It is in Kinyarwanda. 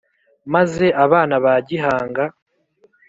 maze abana ba gihanga